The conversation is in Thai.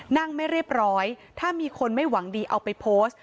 ไม่เรียบร้อยถ้ามีคนไม่หวังดีเอาไปโพสต์